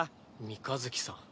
三日月さん。